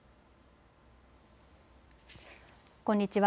こんにちは。